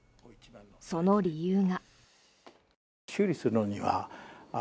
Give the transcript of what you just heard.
その理由が。